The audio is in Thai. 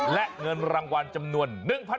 และเงินรางวัลจำนวน๑๐๐บาท